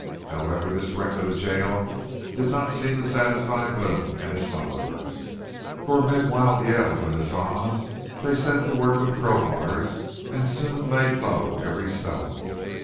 However, this wreck of the jail did not seem to satisfy Blome and his followers, for amid wild yells and huzzahs they set to work with crowbars and soon laid low every stone.